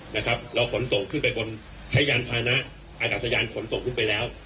เราขนส่งขึ้นไปบนใช้ยานพานะอากาศยานขนส่งขึ้นไปแล้ว